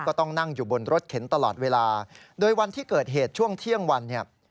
ก็ต้องนั่งอยู่บนรถเข็นตลอดเวลาโดยวันที่เกิดเหตุช่วงเที่ยงวันเนี่ย